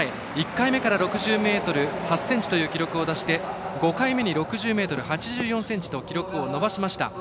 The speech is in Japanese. １回目から６０ｍ８ｃｍという記録を出して５回目に６０ｍ８４ｃｍと記録を伸ばしました。